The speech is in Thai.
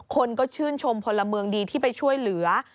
คนก็ชื่นชมพลเมืองดีที่ไปช่วยเหลือ